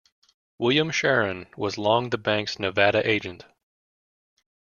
William Sharon was long the bank's Nevada agent.